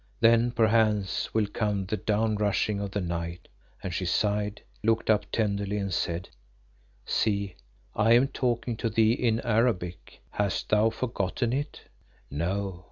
Then perchance will come the down rushing of the night;" and she sighed, looked up tenderly and said, "See, I am talking to thee in Arabic. Hast thou forgotten it?" "No."